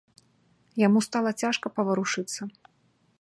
Яму стала цяжка паварушыцца.